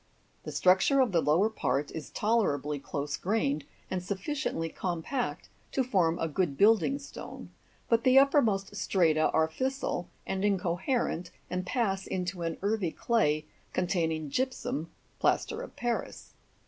The structure of the lower part is tolerably close grained, and sufficiently compact to form a good building stone ; but the uppermost strata are fissile and incoherent, and pass into an earthy clay containing gypsum (plaster of Paris).